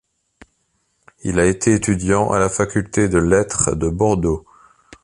Il a été étudiant à la faculté de lettres de Bordeaux.